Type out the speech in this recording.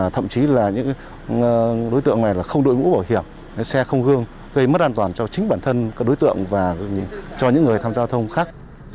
thậm chí là những đối tượng này không đội mũ bảo hiểm xe không gương gây mất an toàn cho chính bản thân các đối tượng và cho những người tham gia giao thông khác